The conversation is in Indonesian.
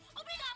upi gak mau